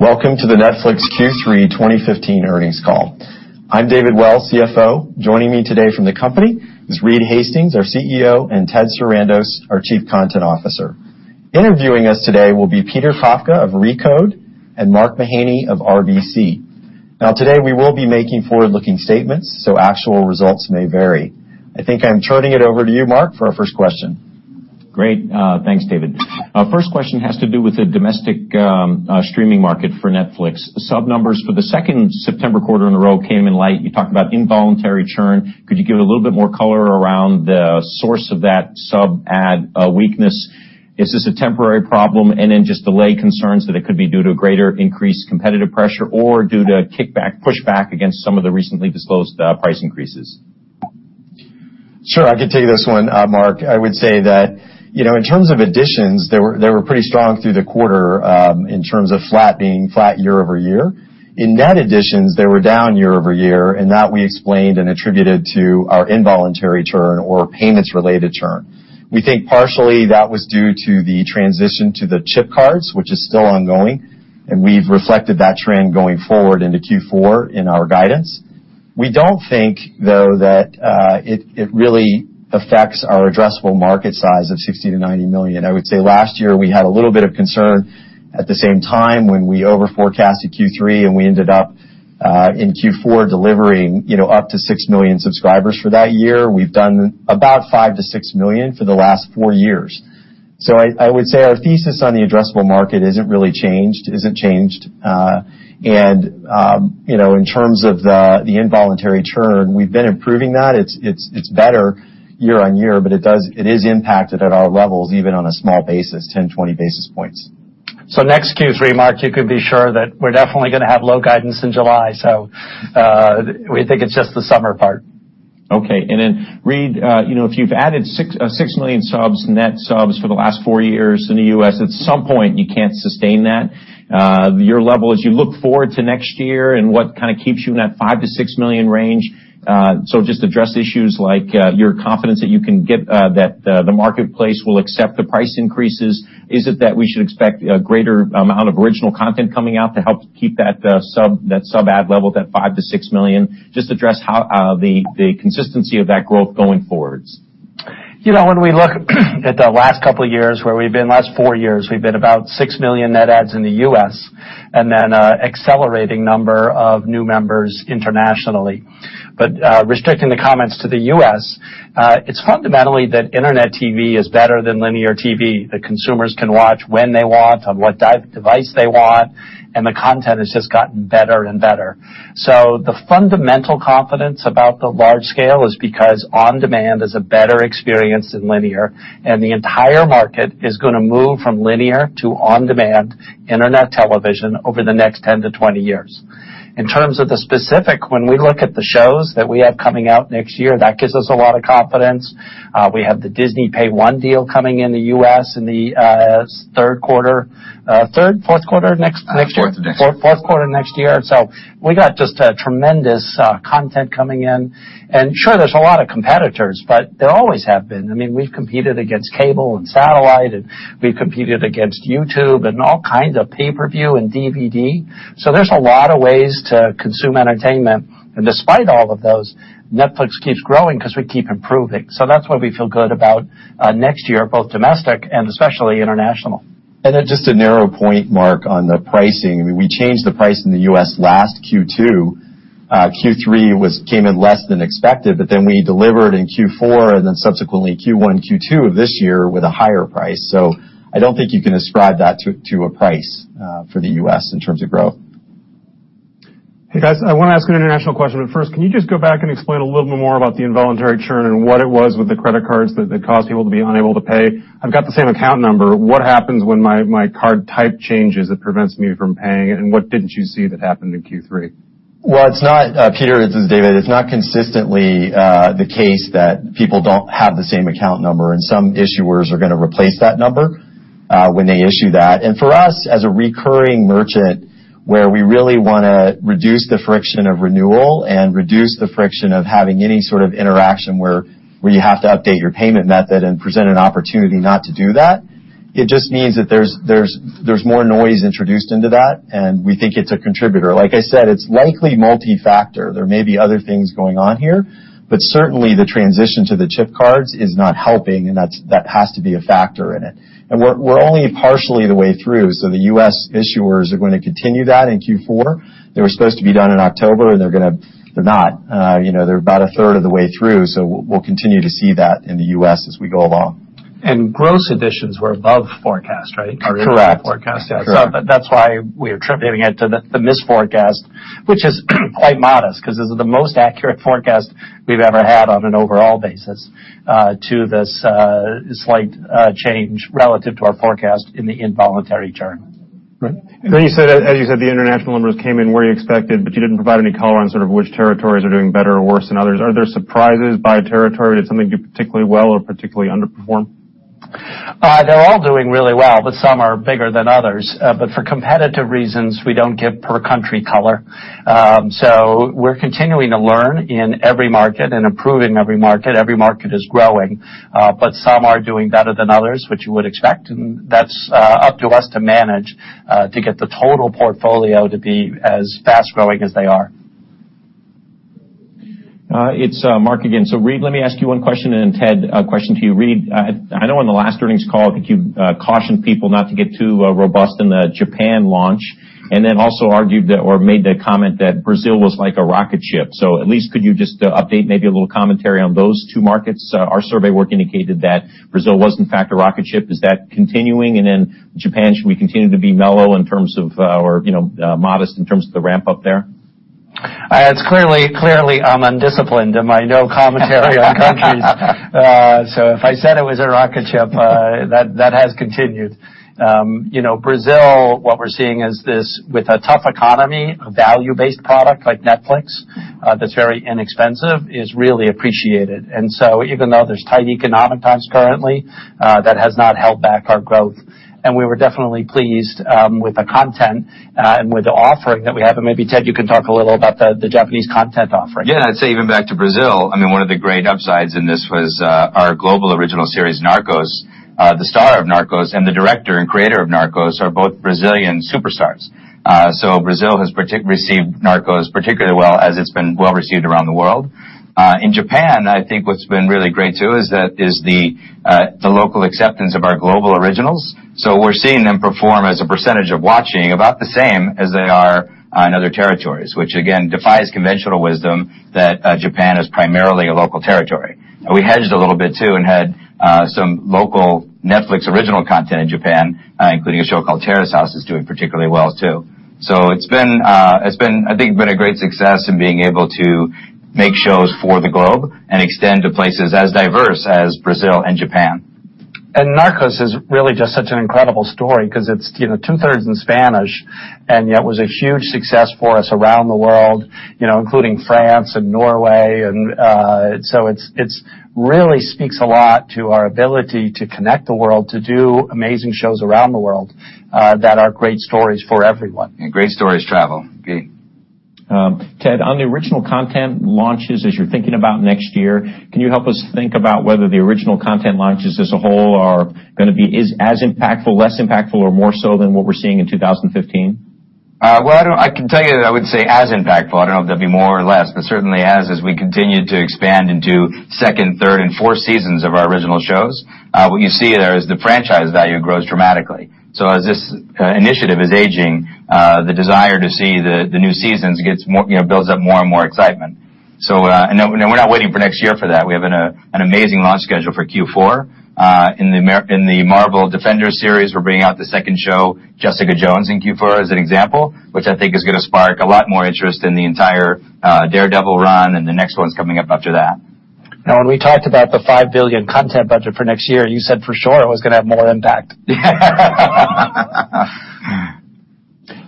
Welcome to the Netflix Q3 2015 earnings call. I'm David Wells, CFO. Joining me today from the company is Reed Hastings, our CEO, and Ted Sarandos, our Chief Content Officer. Interviewing us today will be Peter Kafka of Recode and Mark Mahaney of RBC. Today, we will be making forward-looking statements, so actual results may vary. I think I'm turning it over to you, Mark, for our first question. Great. Thanks, David. First question has to do with the domestic streaming market for Netflix. Sub numbers for the second September quarter in a row came in light. You talked about involuntary churn. Could you give a little bit more color around the source of that sub-add weakness? Is this a temporary problem? Just delay concerns that it could be due to greater increased competitive pressure or due to kickback, pushback against some of the recently disclosed price increases. Sure, I can take this one, Mark. I would say that in terms of additions, they were pretty strong through the quarter in terms of flat being flat year-over-year. In net additions, they were down year-over-year, and that we explained and attributed to our involuntary churn or payments-related churn. We think partially that was due to the transition to the chip cards, which is still ongoing, and we've reflected that trend going forward into Q4 in our guidance. We don't think, though, that it really affects our addressable market size of 60-90 million. I would say last year, we had a little bit of concern at the same time when we overforecasted Q3, and we ended up in Q4 delivering up to six million subscribers for that year. We've done about five to six million for the last four years. I would say our thesis on the addressable market isn't really changed. In terms of the involuntary churn, we've been improving that. It's better year-on-year, but it is impacted at our levels, even on a small basis, 10, 20 basis points. Next Q3, Mark, you can be sure that we're definitely going to have low guidance in July, so we think it's just the summer part. Okay. Reed, if you've added 6 million subs, net subs for the last 4 years in the U.S., at some point, you can't sustain that. Your level as you look forward to next year and what kind of keeps you in that 5 million-6 million range. Just address issues like your confidence that you can get that the marketplace will accept the price increases. Is it that we should expect a greater amount of original content coming out to help keep that sub-add level, that 5 million-6 million? Just address how the consistency of that growth going forwards. When we look at the last couple of years where we've been, last 4 years, we've been about 6 million net adds in the U.S., and then an accelerating number of new members internationally. Restricting the comments to the U.S., it's fundamentally that internet TV is better than linear TV. The consumers can watch when they want, on what device they want, and the content has just gotten better and better. The fundamental confidence about the large scale is because on-demand is a better experience than linear, and the entire market is going to move from linear to on-demand internet television over the next 10-20 years. In terms of the specific, when we look at the shows that we have coming out next year, that gives us a lot of confidence. We have the Disney Pay-1 deal coming in the U.S. in the third quarter. Third? Fourth quarter next year? Fourth of next year. Fourth quarter next year. We got just tremendous content coming in. Sure, there's a lot of competitors, but there always have been. We've competed against cable and satellite, we've competed against YouTube and all kinds of pay-per-view and DVD. There's a lot of ways to consume entertainment. Despite all of those, Netflix keeps growing because we keep improving. That's why we feel good about next year, both domestic and especially international. Just a narrow point, Mark, on the pricing. We changed the price in the U.S. last Q2. Q3 came in less than expected, we delivered in Q4 subsequently Q1, Q2 of this year with a higher price. I don't think you can ascribe that to a price for the U.S. in terms of growth. Hey, guys, I want to ask an international question, first, can you just go back and explain a little bit more about the involuntary churn and what it was with the credit cards that caused people to be unable to pay? I've got the same account number. What happens when my card type changes that prevents me from paying, and what didn't you see that happened in Q3? Well, Peter, this is David. It's not consistently the case that people don't have the same account number, some issuers are going to replace that number when they issue that. For us, as a recurring merchant, where we really want to reduce the friction of renewal and reduce the friction of having any sort of interaction where you have to update your payment method and present an opportunity not to do that, it just means that there's more noise introduced into that, and we think it's a contributor. Like I said, it's likely multifactor. There may be other things going on here, but certainly, the transition to the chip cards is not helping, and that has to be a factor in it. We're only partially the way through, so the U.S. issuers are going to continue that in Q4. They were supposed to be done in October, they're not. They're about a third of the way through, so we'll continue to see that in the U.S. as we go along. Gross additions were above forecast, right? Correct. Our initial forecast. That's why we are attributing it to the misforecast, which is quite modest because this is the most accurate forecast we've ever had on an overall basis to this slight change relative to our forecast in the involuntary churn. Right. You said the international numbers came in where you expected, but you didn't provide any color on sort of which territories are doing better or worse than others. Are there surprises by territory? Did something do particularly well or particularly underperform? They're all doing really well, but some are bigger than others. For competitive reasons, we don't give per-country color. We're continuing to learn in every market and improving every market. Every market is growing. Some are doing better than others, which you would expect, and that's up to us to manage to get the total portfolio to be as fast-growing as they are. It's Mark again. Reed, let me ask you one question, and then Ted, a question to you. Reed, I know on the last earnings call, I think you cautioned people not to get too robust in the Japan launch, and then also argued or made the comment that Brazil was like a rocket ship. At least could you just update maybe a little commentary on those two markets? Our survey work indicated that Brazil was, in fact, a rocket ship. Is that continuing? In Japan, should we continue to be mellow in terms of or modest in terms of the ramp-up there? It's clearly undisciplined of my no commentary on countries. If I said it was a rocket ship, that has continued. Brazil, what we're seeing is this, with a tough economy, a value-based product like Netflix that's very inexpensive, is really appreciated. Even though there's tight economic times currently, that has not held back our growth. We were definitely pleased with the content and with the offering that we have. Maybe, Ted, you can talk a little about the Japanese content offering. Yeah. I'd say even back to Brazil, one of the great upsides in this was our global original series, "Narcos," the star of "Narcos" and the director and creator of "Narcos" are both Brazilian superstars. Brazil has received "Narcos" particularly well as it's been well-received around the world. In Japan, I think what's been really great too is the local acceptance of our global originals. We're seeing them perform as a percentage of watching about the same as they are in other territories, which again, defies conventional wisdom that Japan is primarily a local territory. We hedged a little bit too and had some local Netflix original content in Japan, including a show called "Terrace House" that's doing particularly well too. It's I think been a great success in being able to make shows for the globe and extend to places as diverse as Brazil and Japan. Narcos" is really just such an incredible story because it's two-thirds in Spanish, and yet was a huge success for us around the world including France and Norway. It really speaks a lot to our ability to connect the world to do amazing shows around the world that are great stories for everyone. Great stories travel. Pete. Ted, on the original content launches as you're thinking about next year, can you help us think about whether the original content launches as a whole are going to be as impactful, less impactful, or more so than what we're seeing in 2015? I can tell you that I would say as impactful. I don't know if there'll be more or less, but certainly as we continue to expand into second, third, and fourth seasons of our original shows, what you see there is the franchise value grows dramatically. As this initiative is aging, the desire to see the new seasons builds up more and more excitement. We're not waiting for next year for that. We have an amazing launch schedule for Q4. In the Marvel "Defenders" series, we're bringing out the second show, "Jessica Jones" in Q4 as an example, which I think is going to spark a lot more interest in the entire "Daredevil" run and the next ones coming up after that. When we talked about the $5 billion content budget for next year, you said for sure it was going to have more impact.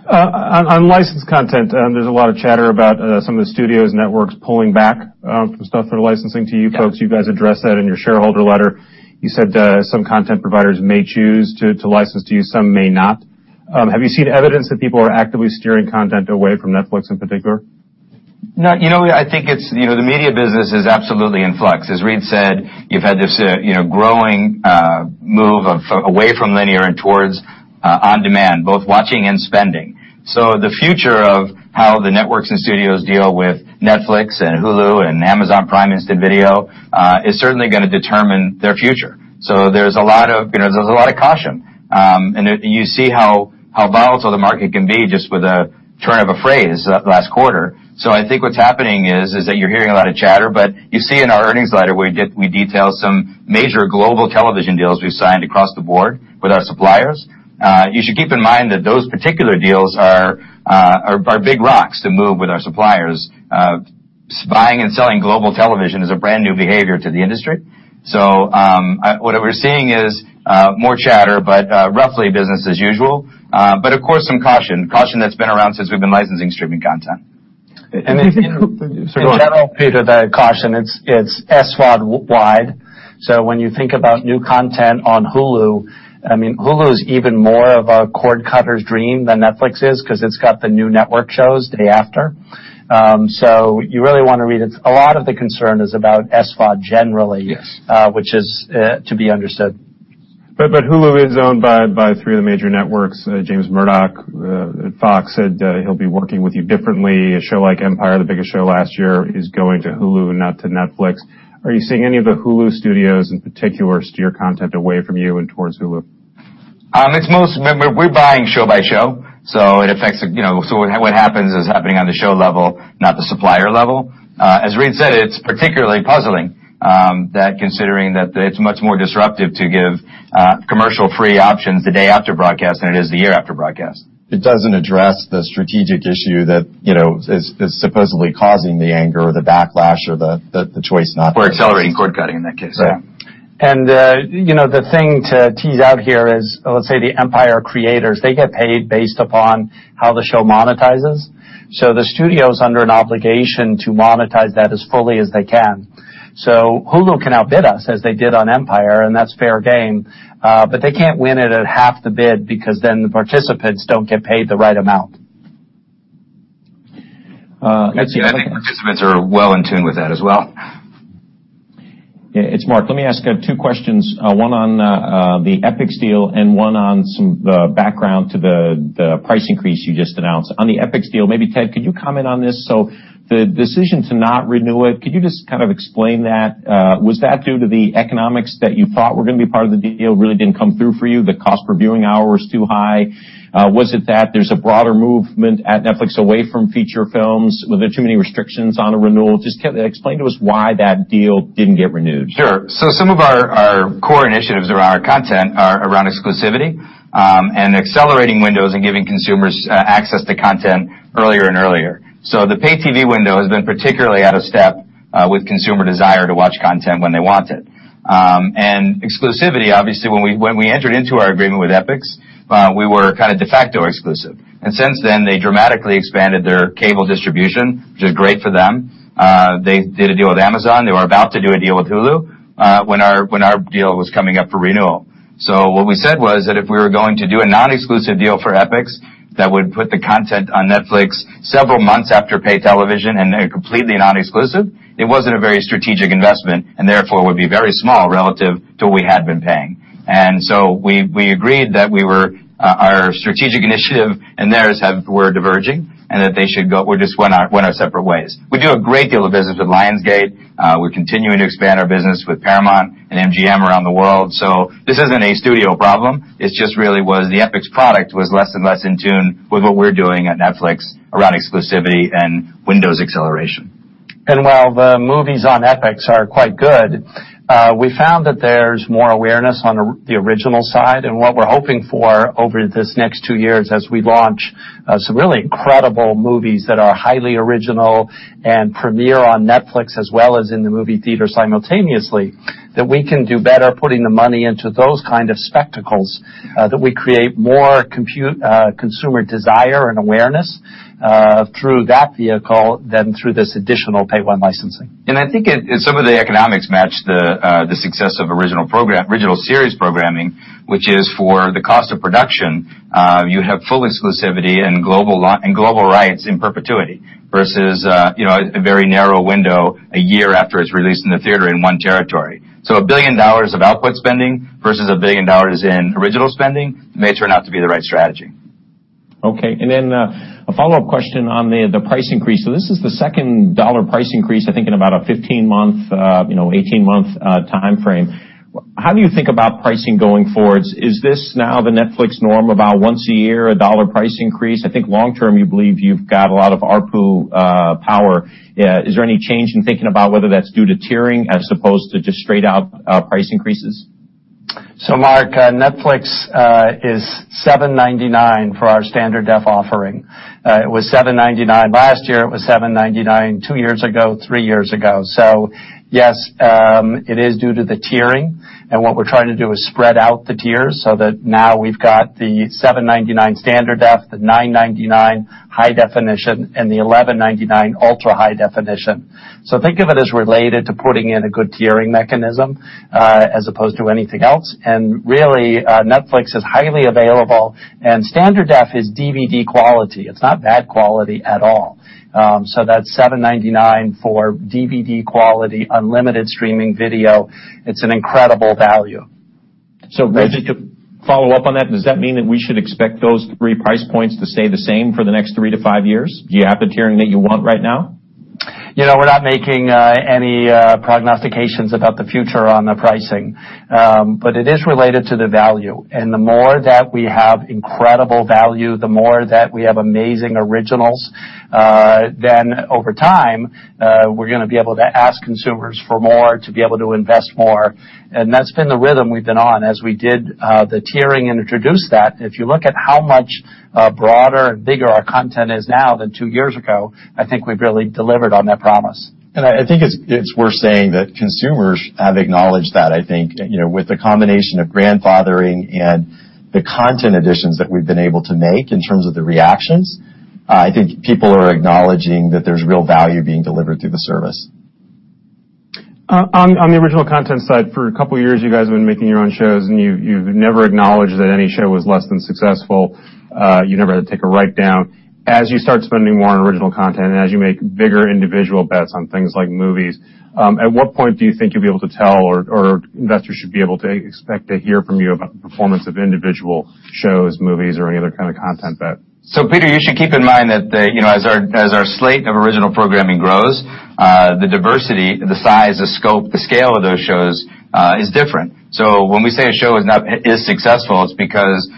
On licensed content, there's a lot of chatter about some of the studios, networks pulling back from stuff they're licensing to you folks. You guys addressed that in your shareholder letter. You said some content providers may choose to license to you, some may not. Have you seen evidence that people are actively steering content away from Netflix in particular? No. I think the media business is absolutely in flux. As Reed said, you've had this growing move away from linear and towards on-demand, both watching and spending. The future of how the networks and studios deal with Netflix and Hulu and Amazon Prime Instant Video is certainly going to determine their future. There's a lot of caution. You see how volatile the market can be just with a turn of a phrase last quarter. I think what's happening is that you're hearing a lot of chatter, but you see in our earnings letter, we detailed some major global television deals we've signed across the board with our suppliers. You should keep in mind that those particular deals are big rocks to move with our suppliers. Buying and selling global television is a brand-new behavior to the industry. What we're seeing is more chatter, roughly business as usual. Of course, some caution. Caution that's been around since we've been licensing streaming content. In general, Peter, the caution, it's SVOD-wide. When you think about new content on Hulu is even more of a cord cutter's dream than Netflix is because it's got the new network shows day after. You really want to read it. A lot of the concern is about SVOD generally. Yes Which is to be understood. Hulu is owned by three of the major networks. James Murdoch at Fox said that he'll be working with you differently. A show like "Empire," the biggest show last year, is going to Hulu, not to Netflix. Are you seeing any of the Hulu studios in particular steer content away from you and towards Hulu? We're buying show by show, so what happens is happening on the show level, not the supplier level. As Reed said, it's particularly puzzling that considering that it's much more disruptive to give commercial-free options the day after broadcast than it is the year after broadcast. It doesn't address the strategic issue that is supposedly causing the anger or the backlash or the choice. Accelerating cord cutting, in that case. Yeah. The thing to tease out here is, let's say the "Empire" creators, they get paid based upon how the show monetizes. The studio's under an obligation to monetize that as fully as they can. Hulu can outbid us as they did on "Empire," and that's fair game. They can't win it at half the bid because then the participants don't get paid the right amount. I think participants are well in tune with that as well. It's Mark. Let me ask two questions. One on the Epix deal and one on some background to the price increase you just announced. On the Epix deal, maybe Ted, could you comment on this? The decision to not renew it, could you just explain that? Was that due to the economics that you thought were going to be part of the deal really didn't come through for you? The cost per viewing hour was too high? Was it that there's a broader movement at Netflix away from feature films? Were there too many restrictions on a renewal? Just, Ted, explain to us why that deal didn't get renewed. Sure. Some of our core initiatives around our content are around exclusivity and accelerating windows and giving consumers access to content earlier and earlier. The pay TV window has been particularly out of step with consumer desire to watch content when they want it. Exclusivity, obviously, when we entered into our agreement with Epix, we were kind of de facto exclusive. Since then, they dramatically expanded their cable distribution, which is great for them. They did a deal with Amazon. They were about to do a deal with Hulu when our deal was coming up for renewal. What we said was that if we were going to do a non-exclusive deal for Epix that would put the content on Netflix several months after paid television and completely non-exclusive, it wasn't a very strategic investment and therefore would be very small relative to what we had been paying. We agreed that our strategic initiative and theirs were diverging, and that we just went our separate ways. We do a great deal of business with Lionsgate. We're continuing to expand our business with Paramount and MGM around the world. This isn't a studio problem. It just really was the Epix product was less and less in tune with what we're doing at Netflix around exclusivity and windows acceleration. While the movies on Epix are quite good, we found that there's more awareness on the original side. What we're hoping for over this next two years as we launch some really incredible movies that are highly original and premiere on Netflix as well as in the movie theater simultaneously, that we can do better putting the money into those kind of spectacles, that we create more consumer desire and awareness through that vehicle than through this additional Pay-1 licensing. I think some of the economics match the success of original series programming, which is for the cost of production, you have full exclusivity and global rights in perpetuity versus a very narrow window a year after it's released in the theater in one territory. A $1 billion of output spending versus a $1 billion in original spending may turn out to be the right strategy. A follow-up question on the price increase. This is the second $1 price increase, I think, in about a 15-month, 18-month timeframe. How do you think about pricing going forward? Is this now the Netflix norm about once a year, a $1 price increase? I think long-term, you believe you've got a lot of ARPU power. Is there any change in thinking about whether that's due to tiering as opposed to just straight out price increases? Mark, Netflix is $7.99 for our standard def offering. It was $7.99 last year. It was $7.99 two years ago, three years ago. Yes, it is due to the tiering, what we're trying to do is spread out the tiers so that now we've got the $7.99 standard def, the $9.99 high definition, and the $11.99 ultra-high definition. Think of it as related to putting in a good tiering mechanism as opposed to anything else. Really, Netflix is highly available, and standard def is DVD quality. It's not bad quality at all. That's $7.99 for DVD quality, unlimited streaming video. It's an incredible value. Just to follow up on that, does that mean that we should expect those three price points to stay the same for the next three to five years? Do you have the tiering that you want right now? We're not making any prognostications about the future on the pricing. It is related to the value. The more that we have incredible value, the more that we have amazing originals, then over time, we're going to be able to ask consumers for more to be able to invest more. That's been the rhythm we've been on as we did the tiering and introduced that. If you look at how much broader and bigger our content is now than two years ago, I think we've really delivered on that promise. I think it's worth saying that consumers have acknowledged that. I think with the combination of grandfathering and the content additions that we've been able to make in terms of the reactions, I think people are acknowledging that there's real value being delivered through the service. On the original content side, for a couple of years, you guys have been making your own shows, and you've never acknowledged that any show was less than successful. You never had to take a write-down. As you start spending more on original content, and as you make bigger individual bets on things like movies, at what point do you think you'll be able to tell or investors should be able to expect to hear from you about the performance of individual shows, movies, or any other kind of content bet? Peter, you should keep in mind that as our slate of original programming grows, the diversity, the size, the scope, the scale of those shows is different. When we say a show is successful, it's because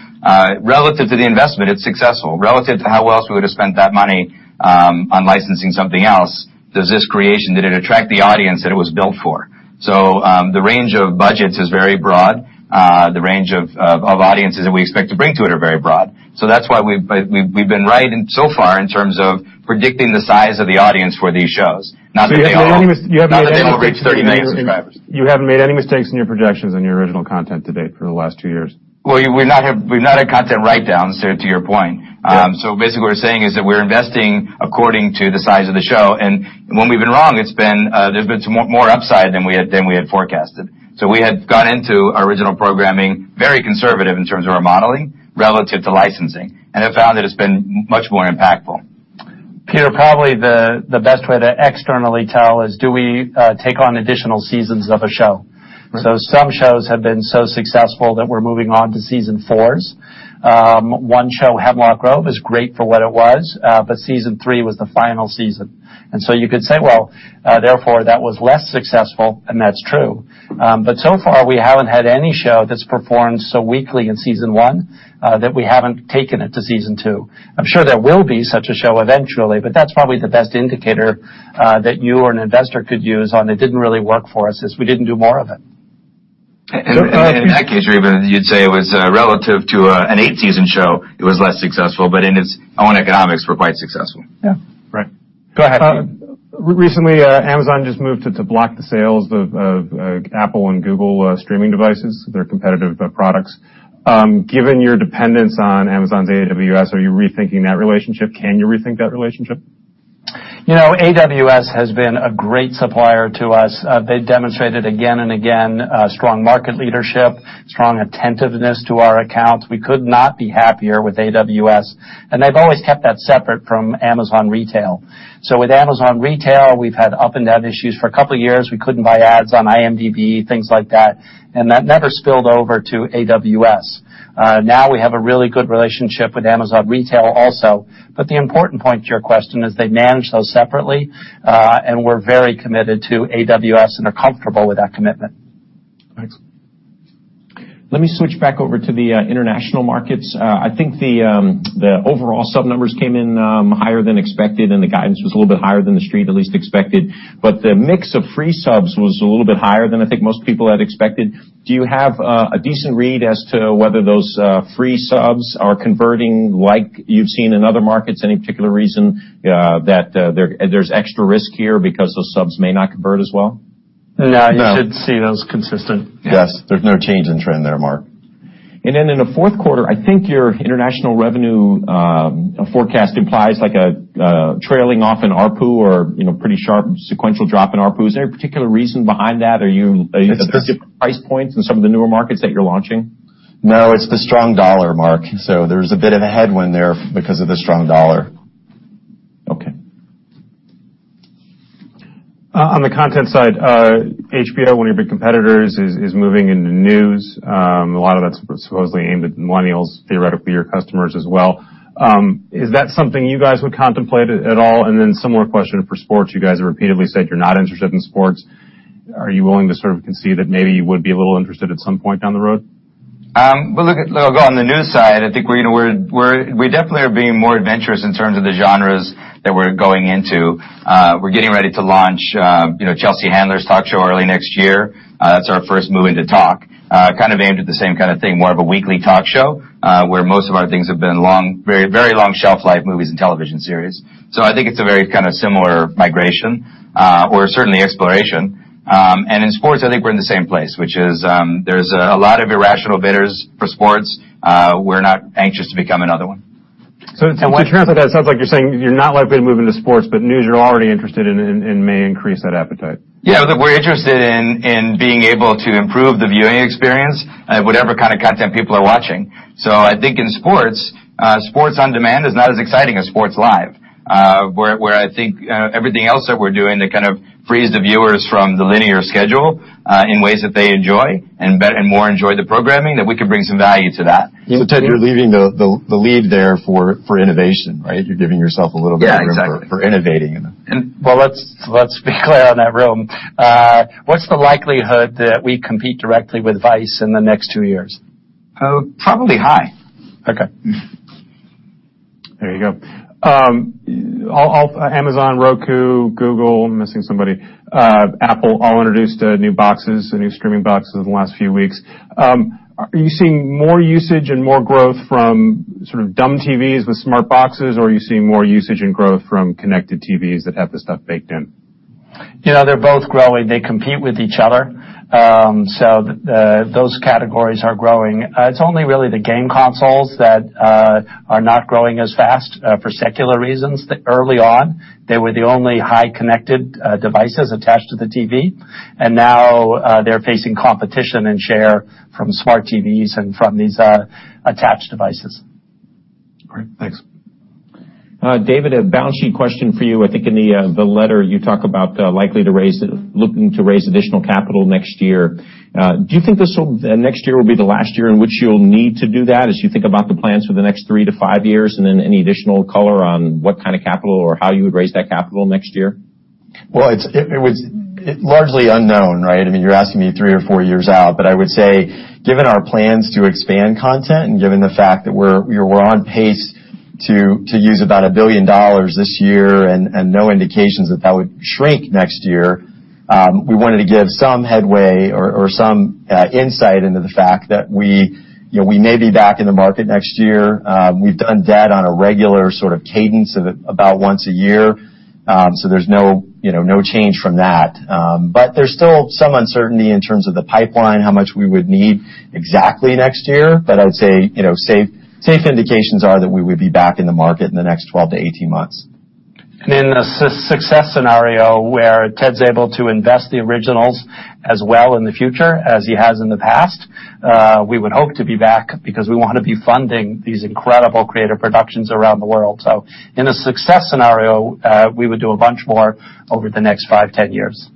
relative to the investment, it's successful. Relative to how else we would have spent that money on licensing something else, does this creation, did it attract the audience that it was built for? The range of budgets is very broad. The range of audiences that we expect to bring to it are very broad. That's why we've been right so far in terms of predicting the size of the audience for these shows. Not that they all. You haven't made any mistakes in your. Not that they will reach 30 million subscribers. You haven't made any mistakes in your projections on your original content to date for the last two years? Well, we've not had content write-downs, to your point. Yeah. Basically, what we're saying is that we're investing according to the size of the show, when we've been wrong, there's been more upside than we had forecasted. We had gone into our original programming very conservative in terms of our modeling relative to licensing and have found that it's been much more impactful. Peter, probably the best way to externally tell is do we take on additional seasons of a show? Right. Some shows have been so successful that we're moving on to season 4s. One show, "Hemlock Grove," is great for what it was, Season 3 was the final season. You could say, well, therefore that was less successful, that's true. So far, we haven't had any show that's performed so weakly in Season 1 that we haven't taken it to Season 2. I'm sure there will be such a show eventually, that's probably the best indicator that you or an investor could use on it didn't really work for us, is we didn't do more of it. In that case, even you'd say it was relative to an eight-season show, it was less successful, but in its own economics, were quite successful. Yeah. Right. Go ahead. Recently, Amazon just moved to block the sales of Apple and Google streaming devices, their competitive products. Given your dependence on Amazon's AWS, are you rethinking that relationship? Can you rethink that relationship? AWS has been a great supplier to us. They've demonstrated again and again strong market leadership, strong attentiveness to our accounts. With Amazon retail, we've had up and down issues. For a couple of years, we couldn't buy ads on IMDb, things like that, and that never spilled over to AWS. Now we have a really good relationship with Amazon retail also. The important point to your question is they manage those separately, and we're very committed to AWS and are comfortable with that commitment. Thanks. Let me switch back over to the international markets. I think the overall sub numbers came in higher than expected, and the guidance was a little bit higher than the Street at least expected. But the mix of free subs was a little bit higher than I think most people had expected. Do you have a decent read as to whether those free subs are converting like you've seen in other markets? Any particular reason that there's extra risk here because those subs may not convert as well? No. You should see those consistent. Yes. Yes. There's no change in trend there, Mark. In the fourth quarter, I think your international revenue forecast implies a trailing off in ARPU or pretty sharp sequential drop in ARPU. Is there a particular reason behind that? Are you- Yes specific price points in some of the newer markets that you're launching? No, it's the strong dollar, Mark. There's a bit of a headwind there because of the strong dollar. Okay. On the content side, HBO, one of your big competitors, is moving into news. A lot of that's supposedly aimed at millennials, theoretically your customers as well. Is that something you guys would contemplate at all? Similar question for sports. You guys have repeatedly said you're not interested in sports. Are you willing to sort of concede that maybe you would be a little interested at some point down the road? Well, look, on the news side, I think we definitely are being more adventurous in terms of the genres that we're going into. We're getting ready to launch Chelsea Handler's talk show early next year. That's our first move into talk. Kind of aimed at the same kind of thing, more of a weekly talk show, where most of our things have been very long shelf life movies and television series. I think it's a very similar migration, or certainly exploration. In sports, I think we're in the same place, which is there's a lot of irrational bidders for sports. We're not anxious to become another one. To translate that, it sounds like you're saying you're not likely to move into sports, but news you're already interested in and may increase that appetite. Yeah. Look, we're interested in being able to improve the viewing experience of whatever kind of content people are watching. I think in sports on demand is not as exciting as sports live. I think everything else that we're doing that kind of frees the viewers from the linear schedule in ways that they enjoy and more enjoy the programming, that we could bring some value to that. Yeah. Ted, you're leaving the lead there for innovation, right? You're giving yourself a little bit of room- Yeah, exactly for innovating in it. Well, let's be clear on that room. What's the likelihood that we compete directly with Vice in the next two years? Probably high. Okay. There you go. Amazon, Roku, Google, I'm missing somebody, Apple, all introduced new boxes, new streaming boxes in the last few weeks. Are you seeing more usage and more growth from sort of dumb TVs with smart boxes, or are you seeing more usage and growth from connected TVs that have the stuff baked in? They're both growing. They compete with each other. Those categories are growing. It's only really the game consoles that are not growing as fast for secular reasons. Early on, they were the only high-connected devices attached to the TV, and now they're facing competition and share from smart TVs and from these attached devices. All right. Thanks. David, a balance sheet question for you. I think in the letter, you talk about looking to raise additional capital next year. Do you think next year will be the last year in which you'll need to do that as you think about the plans for the next three to five years? Any additional color on what kind of capital or how you would raise that capital next year? Well, it was largely unknown, right? I mean, you're asking me three or four years out. I would say, given our plans to expand content and given the fact that we're on pace to use about $1 billion this year and no indications that that would shrink next year, we wanted to give some headway or some insight into the fact that we may be back in the market next year. We've done debt on a regular sort of cadence of about once a year. There's no change from that. There's still some uncertainty in terms of the pipeline, how much we would need exactly next year. I would say safe indications are that we would be back in the market in the next 12-18 months. In a success scenario where Ted's able to invest the originals as well in the future as he has in the past, we would hope to be back because we want to be funding these incredible creative productions around the world. In a success scenario, we would do a bunch more over the next five, 10 years.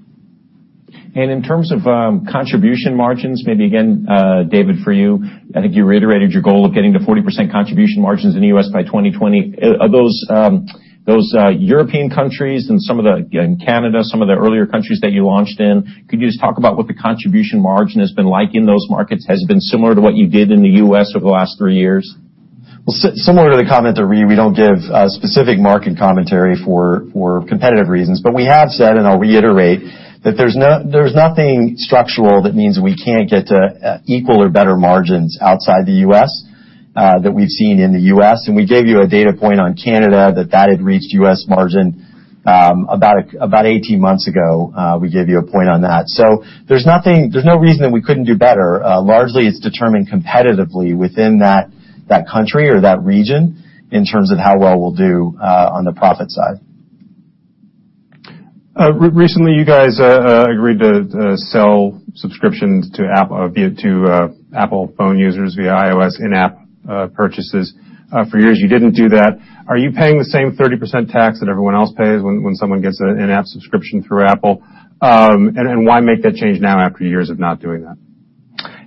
In terms of contribution margins, maybe again, David, for you, I think you reiterated your goal of getting to 40% contribution margins in the U.S. by 2020. Of those European countries and some of the, again, Canada, some of the earlier countries that you launched in, could you just talk about what the contribution margin has been like in those markets? Has it been similar to what you did in the U.S. over the last three years? Well, similar to the comment that we don't give specific market commentary for competitive reasons, but we have said, I'll reiterate, that there's nothing structural that means we can't get to equal or better margins outside the U.S. that we've seen in the U.S. We gave you a data point on Canada that that had reached U.S. margin about 18 months ago. We gave you a point on that. There's no reason that we couldn't do better. Largely, it's determined competitively within that country or that region in terms of how well we'll do on the profit side. Recently, you guys agreed to sell subscriptions to iPhone users via iOS in-app purchases. For years you didn't do that. Are you paying the same 30% tax that everyone else pays when someone gets an in-app subscription through Apple? Why make that change now after years of not doing that?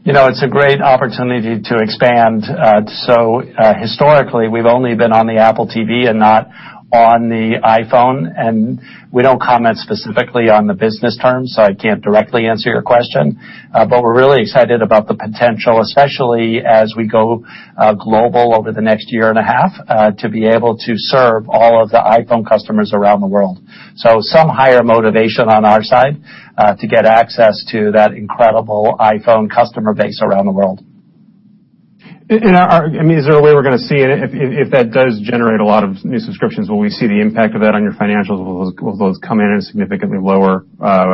It's a great opportunity to expand. Historically, we've only been on the Apple TV and not on the iPhone, and we don't comment specifically on the business terms, so I can't directly answer your question. We're really excited about the potential, especially as we go global over the next year and a half, to be able to serve all of the iPhone customers around the world. Some higher motivation on our side to get access to that incredible iPhone customer base around the world. Is there a way we're going to see it if that does generate a lot of new subscriptions? Will we see the impact of that on your financials? Will those come in at significantly lower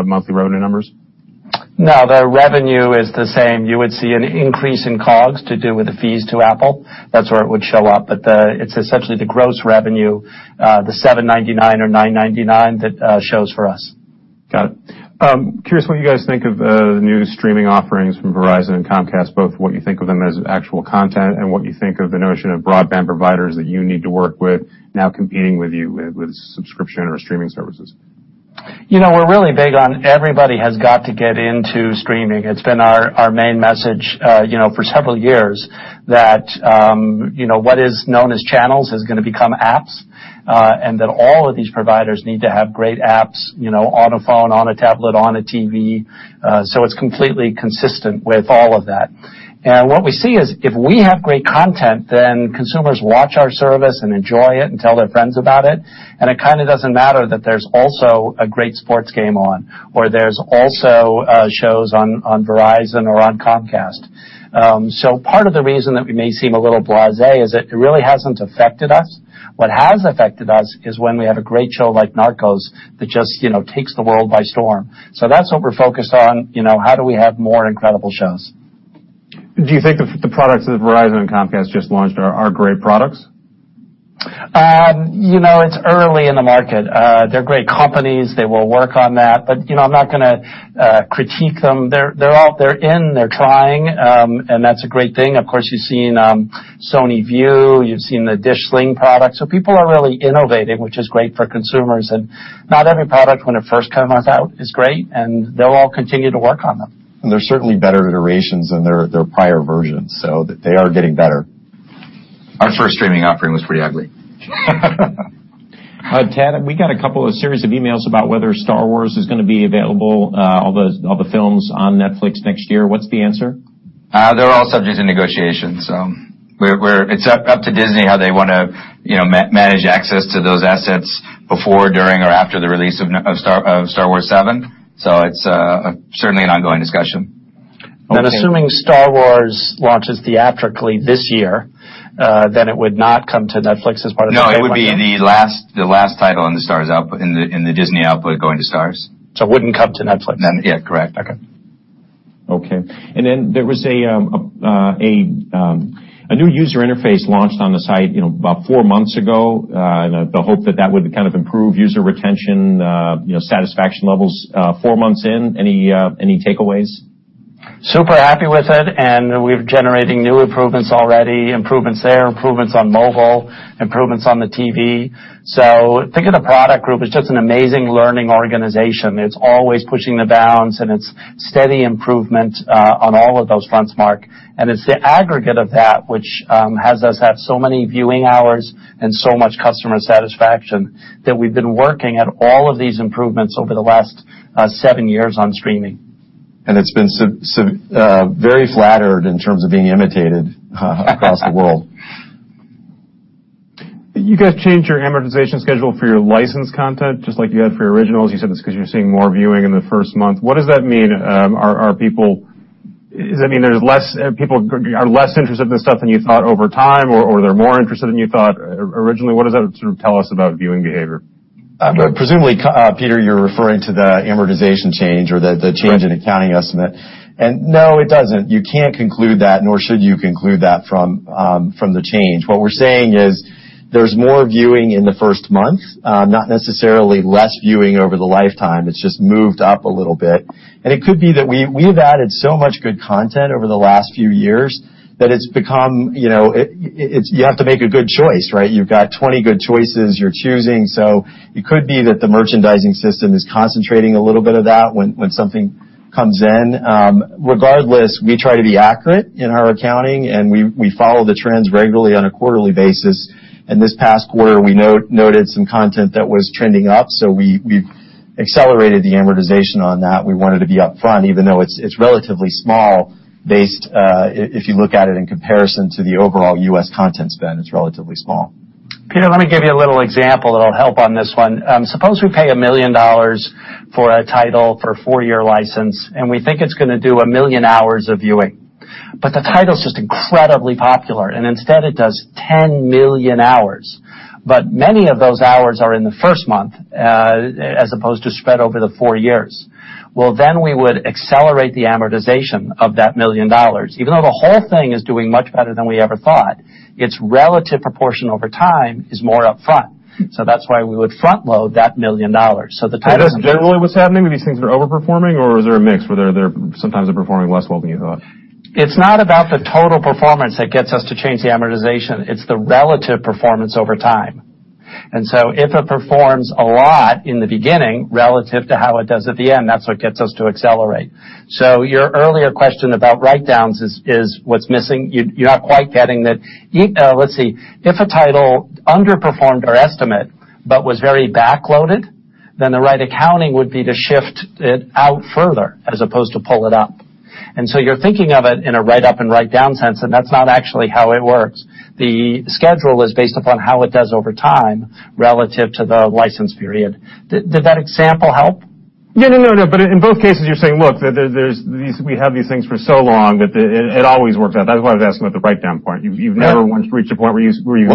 monthly revenue numbers? No, the revenue is the same. You would see an increase in COGS to do with the fees to Apple. That's where it would show up. It's essentially the gross revenue, the $7.99 or $9.99 that shows for us. Got it. I'm curious what you guys think of the new streaming offerings from Verizon and Comcast, both what you think of them as actual content and what you think of the notion of broadband providers that you need to work with now competing with you with subscription or streaming services. We're really big on everybody has got to get into streaming. It's been our main message for several years that what is known as channels is going to become apps, and that all of these providers need to have great apps on a phone, on a tablet, on a TV. It's completely consistent with all of that. What we see is if we have great content, then consumers watch our service and enjoy it and tell their friends about it, and it kind of doesn't matter that there's also a great sports game on, or there's also shows on Verizon or on Comcast. Part of the reason that we may seem a little blasé is that it really hasn't affected us. What has affected us is when we have a great show like "Narcos" that just takes the world by storm. That's what we're focused on, how do we have more incredible shows? Do you think the products that Verizon and Comcast just launched are great products? It's early in the market. They're great companies. They will work on that, but I'm not going to critique them. They're in, they're trying, and that's a great thing. Of course, you've seen PlayStation Vue, you've seen the Sling TV product. People are really innovating, which is great for consumers, and not every product when it first comes out is great, and they'll all continue to work on them. They're certainly better iterations than their prior versions, so they are getting better. Our first streaming offering was pretty ugly. Ted, we got a couple of series of emails about whether "Star Wars" is going to be available, all the films on Netflix next year. What's the answer? They're all subject to negotiation. It's up to Disney how they want to manage access to those assets before, during, or after the release of "Star Wars VII." It's certainly an ongoing discussion. Assuming "Star Wars" launches theatrically this year, it would not come to Netflix as part of the. No, it would be the last title in the Disney output going to Starz. It wouldn't come to Netflix. Yeah, correct. Okay. Okay. There was a new user interface launched on the site about four months ago in the hope that that would kind of improve user retention, satisfaction levels. Four months in, any takeaways? Super happy with it, we're generating new improvements already, improvements there, improvements on mobile, improvements on the TV. Think of the product group as just an amazing learning organization. It's always pushing the bounds, it's steady improvement on all of those fronts, Mark. It's the aggregate of that which has us have so many viewing hours and so much customer satisfaction that we've been working at all of these improvements over the last seven years on streaming. It's been very flattered in terms of being imitated across the world. You guys changed your amortization schedule for your licensed content, just like you had for your originals. You said it's because you're seeing more viewing in the first month. What does that mean? Does that mean people are less interested in the stuff than you thought over time, or they're more interested than you thought originally? What does that sort of tell us about viewing behavior? Presumably, Peter, you're referring to the amortization change or the change in accounting estimate. No, it doesn't. You can't conclude that, nor should you conclude that from the change. What we're saying is there's more viewing in the first month, not necessarily less viewing over the lifetime. It's just moved up a little bit. It could be that we've added so much good content over the last few years that you have to make a good choice, right? You've got 20 good choices you're choosing. It could be that the merchandising system is concentrating a little bit of that when something comes in. Regardless, we try to be accurate in our accounting, and we follow the trends regularly on a quarterly basis. In this past quarter, we noted some content that was trending up, so we accelerated the amortization on that. We wanted to be up front, even though it's relatively small, if you look at it in comparison to the overall U.S. content spend, it's relatively small. Peter, let me give you a little example that'll help on this one. Suppose we pay $1 million for a title for a four-year license, and we think it's going to do 1 million hours of viewing. The title's just incredibly popular, and instead it does 10 million hours. Many of those hours are in the first month, as opposed to spread over the four years. We would accelerate the amortization of that $1 million. Even though the whole thing is doing much better than we ever thought, its relative proportion over time is more upfront. That's why we would front-load that $1 million. Is this generally what's happening? These things are over-performing, or is there a mix where they're sometimes they're performing less well than you thought? It's not about the total performance that gets us to change the amortization. It's the relative performance over time. If it performs a lot in the beginning relative to how it does at the end, that's what gets us to accelerate. Your earlier question about write-downs is what's missing. You're not quite getting that. Let's see. If a title underperformed our estimate but was very backloaded, the right accounting would be to shift it out further as opposed to pull it up. You're thinking of it in a write-up and write-down sense, and that's not actually how it works. The schedule is based upon how it does over time, relative to the license period. Did that example help? Yeah, no. In both cases, you're saying, "Look, we have these things for so long that it always works out." That's why I was asking about the write-down part. You've never once reached a point where you've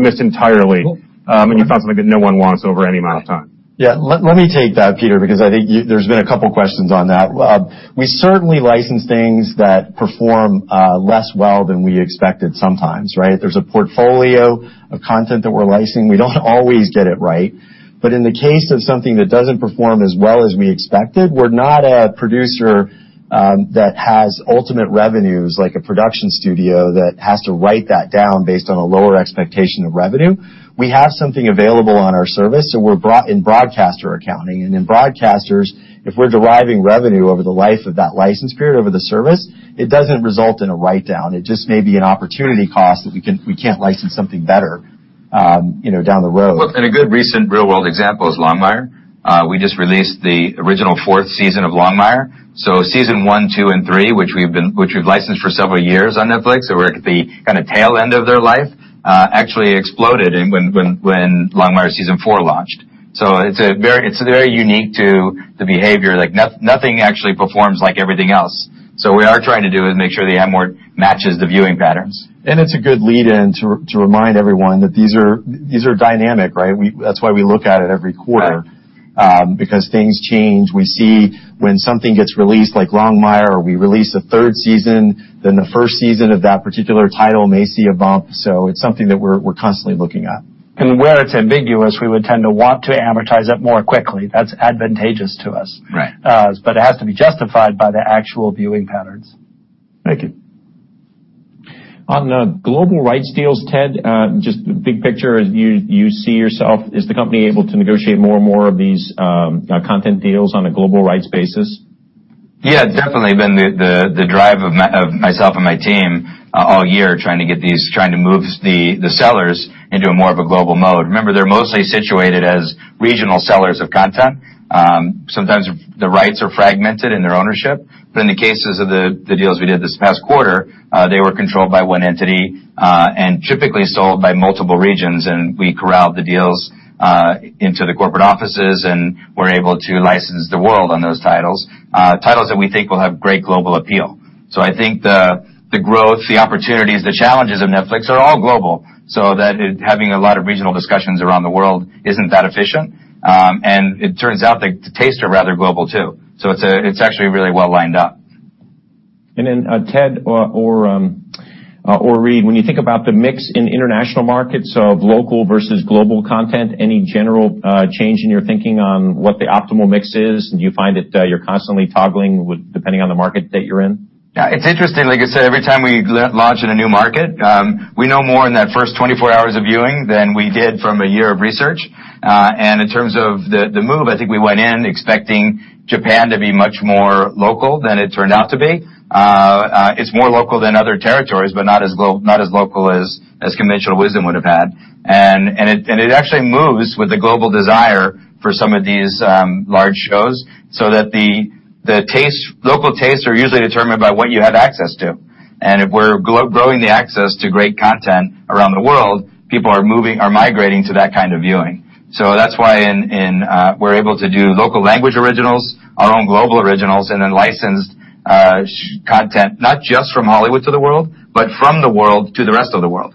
missed entirely. No You found something that no one wants over any amount of time? Yeah, let me take that, Peter, because I think there's been a couple of questions on that. We certainly license things that perform less well than we expected sometimes, right? There's a portfolio of content that we're licensing. We don't always get it right. In the case of something that doesn't perform as well as we expected, we're not a producer that has ultimate revenues, like a production studio that has to write that down based on a lower expectation of revenue. We have something available on our service, so we're in broadcaster accounting. In broadcasters, if we're deriving revenue over the life of that license period over the service, it doesn't result in a write-down. It just may be an opportunity cost that we can't license something better down the road. Look, a good recent real-world example is "Longmire." We just released the original fourth season of "Longmire." Season one, two, and three, which we've licensed for several years on Netflix. We're at the tail end of their life, actually exploded when "Longmire" season four launched. It's very unique to the behavior. Nothing actually performs like everything else. We are trying to do is make sure the amort matches the viewing patterns. It's a good lead-in to remind everyone that these are dynamic, right? That's why we look at it every quarter. Right. Things change. We see when something gets released, like "Longmire" or we release a third season, the first season of that particular title may see a bump. It's something that we're constantly looking at. Where it's ambiguous, we would tend to want to amortize it more quickly. That's advantageous to us. Right. It has to be justified by the actual viewing patterns. Thank you. On the global rights deals, Ted, just the big picture, as you see yourself, is the company able to negotiate more and more of these content deals on a global rights basis? Yeah, definitely been the drive of myself and my team all year, trying to move the sellers into a more of a global mode. Remember, they're mostly situated as regional sellers of content. Sometimes the rights are fragmented in their ownership, but in the cases of the deals we did this past quarter, they were controlled by one entity, and typically sold by multiple regions, and we corralled the deals into the corporate offices, and we're able to license the world on those titles. Titles that we think will have great global appeal. I think the growth, the opportunities, the challenges of Netflix are all global, so that having a lot of regional discussions around the world isn't that efficient. It turns out the tastes are rather global too. It's actually really well lined up. Ted or Reed, when you think about the mix in international markets of local versus global content, any general change in your thinking on what the optimal mix is? Do you find that you're constantly toggling depending on the market that you're in? Yeah, it's interesting. Like I said, every time we launch in a new market, we know more in that first 24 hours of viewing than we did from one year of research. In terms of the move, I think we went in expecting Japan to be much more local than it turned out to be. It's more local than other territories, but not as local as conventional wisdom would have had. It actually moves with the global desire for some of these large shows, so that the local tastes are usually determined by what you have access to. If we're growing the access to great content around the world, people are migrating to that kind of viewing. That's why we're able to do local language originals, our own global originals, and then licensed content, not just from Hollywood to the world, but from the world to the rest of the world.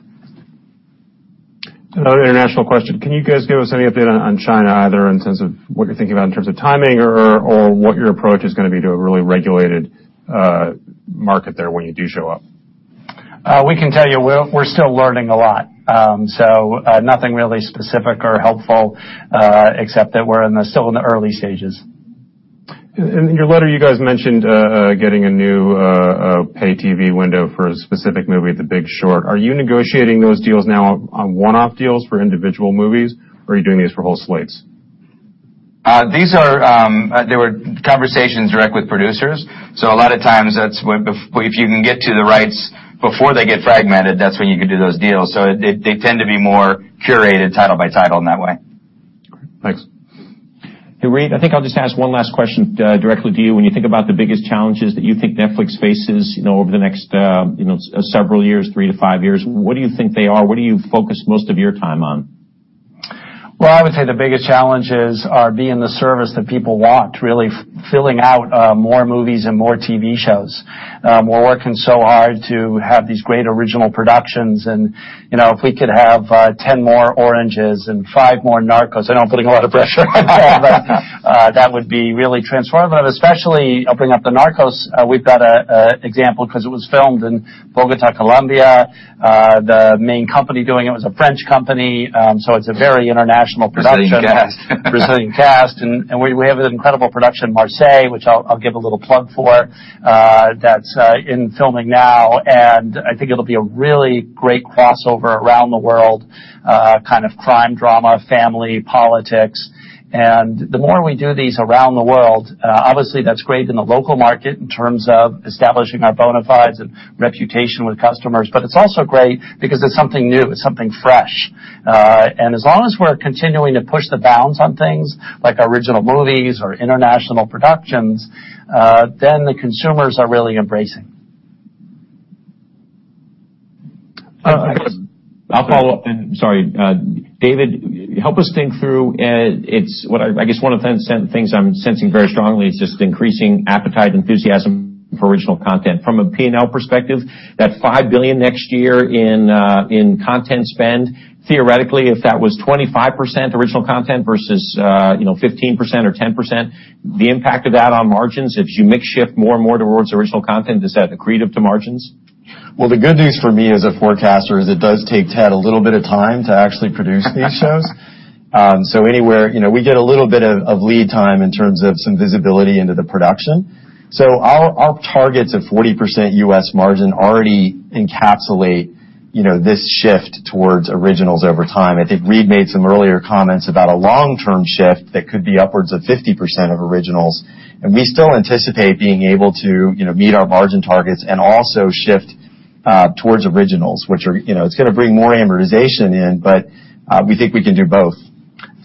Another international question. Can you guys give us any update on China, either in terms of what you're thinking about in terms of timing or what your approach is going to be to a really regulated market there when you do show up? We can tell you we're still learning a lot. Nothing really specific or helpful, except that we're still in the early stages. In your letter, you guys mentioned getting a new pay TV window for a specific movie, "The Big Short." Are you negotiating those deals now on one-off deals for individual movies, or are you doing these for whole slates? There were conversations direct with producers. A lot of times, if you can get to the rights before they get fragmented, that's when you can do those deals. They tend to be more curated title by title in that way. Great. Thanks. Hey, Reed. I think I'll just ask one last question directly to you. When you think about the biggest challenges that you think Netflix faces over the next several years, three to five years, what do you think they are? What do you focus most of your time on? Well, I would say the biggest challenges are being the service that people want, really filling out more movies and more TV shows. We're working so hard to have these great original productions. If we could have 10 more "Oranges" and five more "Narcos," I know I'm putting a lot of pressure on Ted, that would be really transformative, especially opening up the "Narcos." We've got an example because it was filmed in Bogota, Colombia. The main company doing it was a French company, it's a very international production. Brazilian cast. Brazilian cast. We have an incredible production, "Marseille," which I'll give a little plug for, that's in filming now, and I think it'll be a really great crossover around the world, kind of crime drama, family, politics. The more we do these around the world, obviously that's great in the local market in terms of establishing our bona fides and reputation with customers. It's also great because it's something new. It's something fresh. As long as we're continuing to push the bounds on things like our original movies or international productions, then the consumers are really embracing. I'll follow up, sorry. David, help us think through, I guess one of the things I'm sensing very strongly is just increasing appetite, enthusiasm for original content. From a P&L perspective, that $5 billion next year in content spend, theoretically, if that was 25% original content versus 15% or 10%, the impact of that on margins if you mix shift more and more towards original content, is that accretive to margins? Well, the good news for me as a forecaster is it does take Ted a little bit of time to actually produce these shows. We get a little bit of lead time in terms of some visibility into the production. Our targets of 40% US margin already encapsulate this shift towards originals over time. I think Reed made some earlier comments about a long-term shift that could be upwards of 50% of originals, we still anticipate being able to meet our margin targets and also shift towards originals. It's going to bring more amortization in, we think we can do both.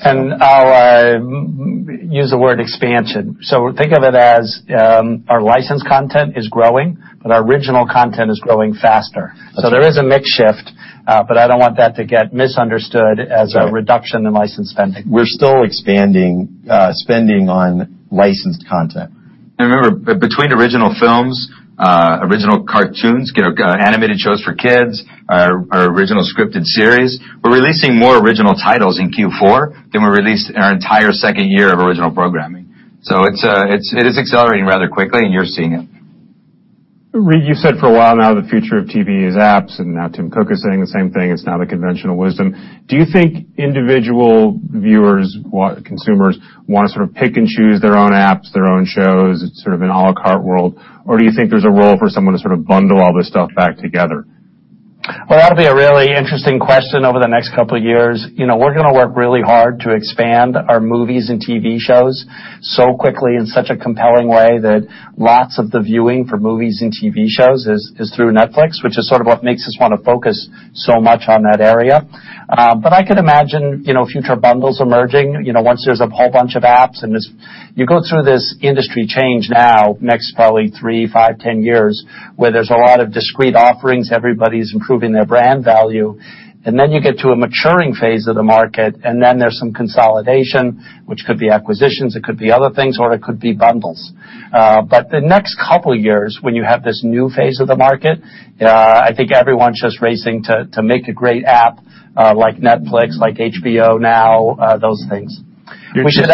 I'll use the word expansion. Think of it as our licensed content is growing, our original content is growing faster. There is a mix shift, I don't want that to get misunderstood as a reduction in licensed spending. We're still expanding spending on licensed content. Remember, between original films, original cartoons, animated shows for kids, our original scripted series, we're releasing more original titles in Q4 than we released in our entire second year of original programming. It is accelerating rather quickly, and you're seeing it. Reed, you said for a while now, the future of TV is apps, and now Tim Cook is saying the same thing. It's now the conventional wisdom. Do you think individual viewers, consumers want to sort of pick and choose their own apps, their own shows? It's sort of an à la carte world. Do you think there's a role for someone to sort of bundle all this stuff back together? Well, that'll be a really interesting question over the next couple of years. We're going to work really hard to expand our movies and TV shows so quickly in such a compelling way that lots of the viewing for movies and TV shows is through Netflix, which is sort of what makes us want to focus so much on that area. I could imagine future bundles emerging once there's a whole bunch of apps. You go through this industry change now, the next probably three, five, 10 years, where there's a lot of discrete offerings. Everybody's improving their brand value. Then you get to a maturing phase of the market, and then there's some consolidation, which could be acquisitions, it could be other things, or it could be bundles. The next couple of years, when you have this new phase of the market, I think everyone's just racing to make a great app like Netflix, like HBO Now, those things. We should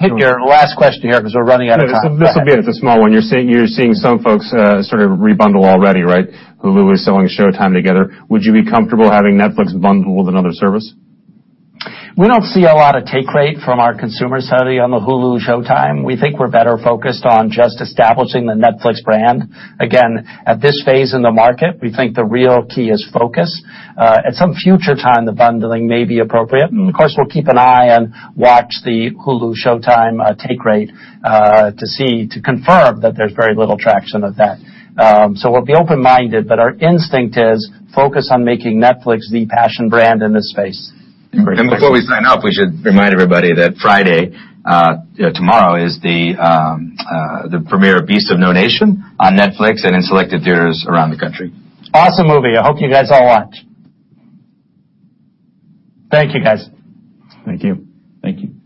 hit your last question here because we're running out of time. Go ahead. This will be it. It's a small one. You're seeing some folks sort of rebundle already, right? Hulu is selling Showtime together. Would you be comfortable having Netflix bundled with another service? We don't see a lot of take rate from our consumer study on the Hulu Showtime. We think we're better focused on just establishing the Netflix brand. Again, at this phase in the market, we think the real key is focus. At some future time, the bundling may be appropriate. Of course, we'll keep an eye and watch the Hulu Showtime take rate to confirm that there's very little traction of that. We'll be open-minded, but our instinct is focus on making Netflix the passion brand in this space. Before we sign off, we should remind everybody that Friday, tomorrow, is the premiere of "Beasts of No Nation" on Netflix and in selected theaters around the country. Awesome movie. I hope you guys all watch. Thank you, guys. Thank you. Thank you.